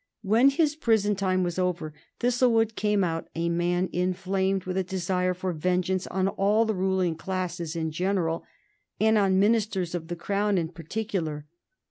When his prison time was over, Thistlewood came out a man inflamed with a desire for vengeance on all the ruling classes in general, and on Ministers of the Crown in particular.